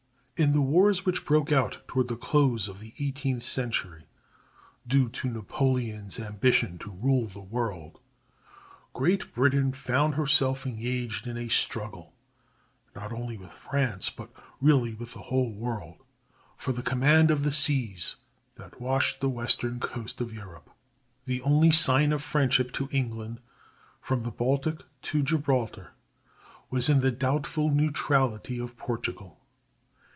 In the wars which broke out toward the close of the eighteenth century due to Napoleon's ambition to rule the world, Great Britain found herself engaged in a struggle not only with France, but really with the whole world, for the command of the seas that washed the western coast of Europe. The only sign of friendship to England from the Baltic to Gibraltar was in the doubtful neutrality of Portugal.